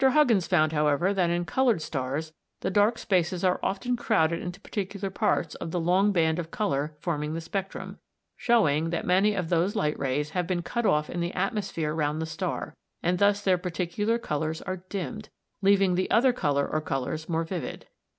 Huggins found, however, that in coloured stars the dark spaces are often crowded into particular parts of the long band of colour forming the spectrum; showing that many of those light rays have been cut off in the atmosphere round the star, and thus their particular colours are dimmed, leaving the other colour or colours more vivid.